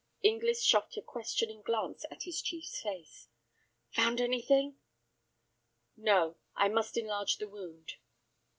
Inglis shot a questioning glance at his chief's face. "Found anything?" "No. I must enlarge the wound."